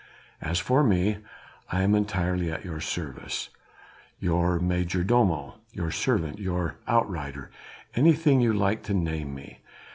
As for me, I am entirely at your service your major domo, your servant, your outrider, anything you like to name me.